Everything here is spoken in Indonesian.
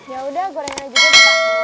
yaudah gorengan aja juga bapak